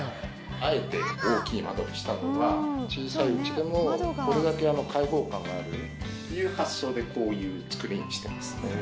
あえて大きい窓にしたのが小さい家でもこれだけ開放感があるという発想でこういう造りにしてます。